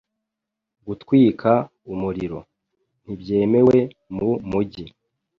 Gutwika umuriro .ntibyemewe mu mujyi..